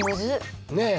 ねえ。